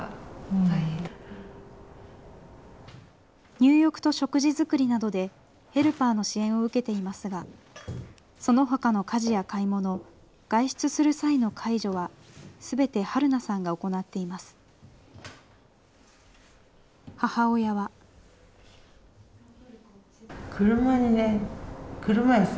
入浴と食事作りなどでヘルパーの支援を受けていますが、そのほかの家事や買い物、外出する際の介助は、すべてはるなさんが行っています。